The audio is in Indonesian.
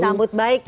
disambut baik ya